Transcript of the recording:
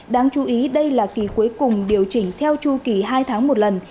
đáng chú ý đây là kỳ cuối cùng điều chỉnh theo chu kỳ hai tháng một lần